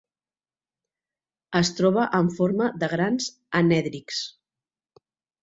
Es troba en forma de grans anèdrics.